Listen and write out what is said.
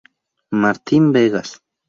Martín Vegas.